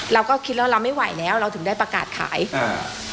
เราก็คิดแล้วเราไม่ไหวแล้วเราถึงได้ประกาศขายอ่า